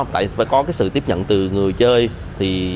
tại phải có sự tiếp nhận từ người chơi